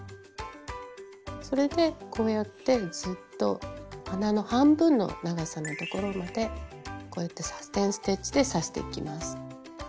それでこうやってずっと鼻の半分の長さのところまでこうやってサテン・ステッチで刺していきます。